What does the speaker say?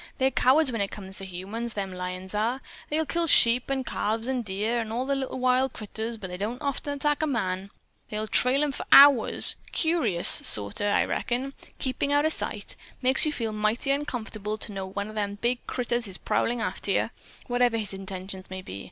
They're cowards when it comes to humans, them lions are. They kill sheep an' calves an' deer, an' all the little wild critters, but they don't often attack a man. They'll trail 'em for hours, curious, sort of, I reckon, keepin' out of sight. Makes you feel mighty uncomfortable to know one of them big critters is prowlin' arter you, whatever his intentions may be.